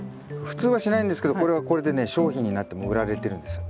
普通はしないんですけどこれはこれでね商品になってもう売られてるんですよ。